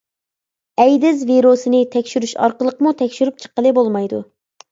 ئەيدىز ۋىرۇسىنى تەكشۈرۈش ئارقىلىقمۇ تەكشۈرۈپ چىققىلى بولمايدۇ.